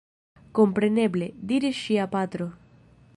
Kompreneble! diris ŝia patro.